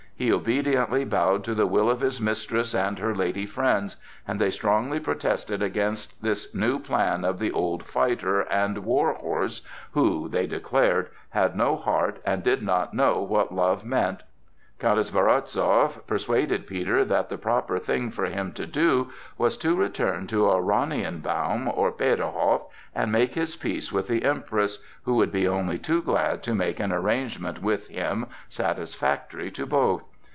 He obediently bowed to the will of his mistress and her lady friends, and they strongly protested against this new plan of the old fighter and "war horse," who, they declared, had no heart and did not know what love meant. Countess Woronzow persuaded Peter that the proper thing for him to do was to return to Oranienbaum or Peterhof and make his peace with the Empress, who would be only too glad to make an arrangement with him satisfactory to both.